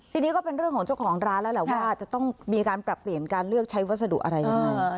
ทีนี้ก็เป็นเรื่องของเจ้าของร้านแล้วแหละว่าจะต้องมีการปรับเปลี่ยนการเลือกใช้วัสดุอะไรยังไง